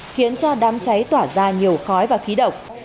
khiến cho đám cháy tỏa ra nhiều khói và khí độc